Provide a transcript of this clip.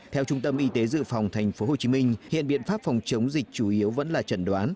theo trung tâm y tế dự phòng tp hcm hiện biện pháp phòng chống dịch chủ yếu vẫn là trần đoán